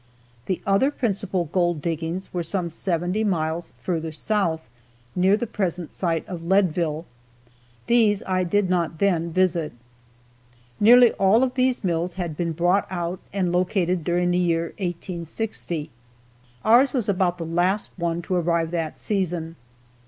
The other principal gold diggings were some seventy miles further south, near the present site of Leadville. These I did not then visit. Nearly all of these mills had been brought out and located during the year 1860. Ours was about the last one to arrive that season.